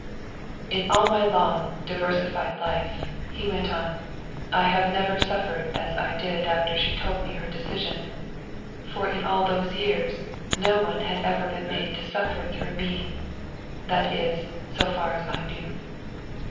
"In all my long, diversified life," he went on, "I had never suffered as I did after she told me her decision, for in all those years no one had ever been made to suffer through me; that is, so far as I knew.